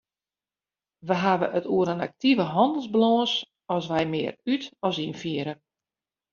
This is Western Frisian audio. Wy hawwe it oer in aktive hannelsbalâns as wy mear út- as ynfiere.